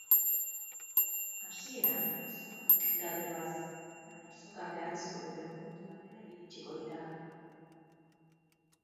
Hasieran sokarik gabe doaz, baina soka beharrezko duten puntu batera iritsiko dira.